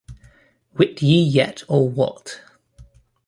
Wit ye yet, or what?